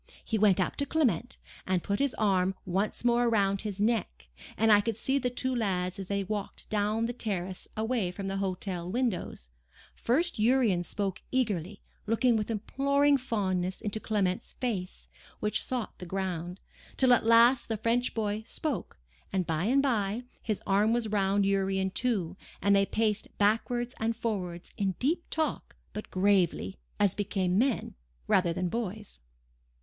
He went up to Clement, and put his arm once more about his neck, and I could see the two lads as they walked down the terrace away from the hotel windows: first Urian spoke eagerly, looking with imploring fondness into Clement's face, which sought the ground, till at last the French boy spoke, and by and by his arm was round Urian too, and they paced backwards and forwards in deep talk, but gravely, as became men, rather than boys.